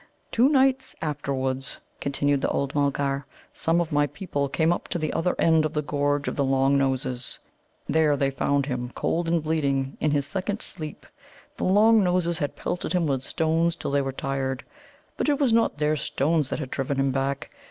"Two nights afterwards," continued the old Mulgar, "some of my people came up to the other end of the gorge of the Long noses. There they found him, cold and bleeding, in his second sleep. The Long noses had pelted him with stones till they were tired. But it was not their stones that had driven him back.